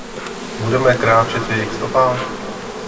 Budeme kráčet v jejich stopách?